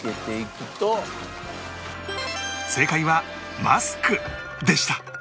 正解はマスクでした